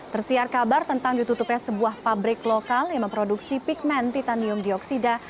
tersiar kabar tentang ditutupnya sebuah pabrik lokal yang memproduksi pigment titanium dioksida